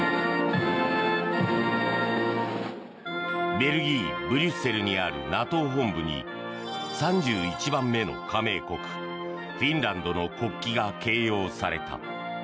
ベルギー・ブリュッセルにあるＮＡＴＯ本部に３１番目の加盟国フィンランドの国旗が掲揚された。